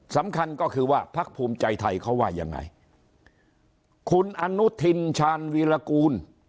สำคัญก็คือว่าพักภูมิใจไทยเขาว่ายังไงคุณอนุทินชาญวีรกูล